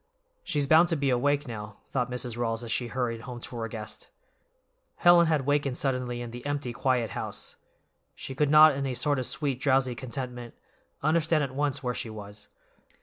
"She's bound to be awake, now," thought Mrs. Rawls as she hurried home to her guest. Helen had wakened suddenly in the empty, quiet house. She could not, in a sort of sweet, drowsy contentment, understand at once where she was.